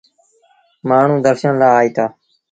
مآݩهون درشن لآ آئيٚتآ۔